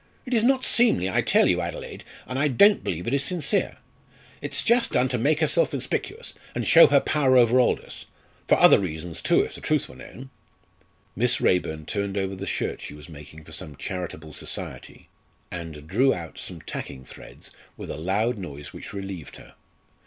It is not seemly, I tell you, Adelaide, and I don't believe it is sincere. It's just done to make herself conspicuous, and show her power over Aldous. For other reasons too, if the truth were known!" Miss Raeburn turned over the shirt she was making for some charitable society and drew out some tacking threads with a loud noise which relieved her.